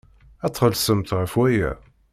Ad txellṣemt ɣef waya!